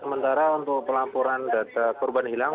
sementara untuk pelaporan data korban hilang